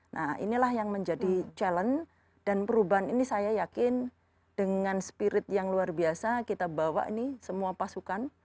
nah inilah yang menjadi challenge dan perubahan ini saya yakin dengan spirit yang luar biasa kita bawa ini semua pasukan